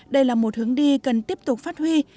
đây là một hướng đi cần tiếp tục phát huy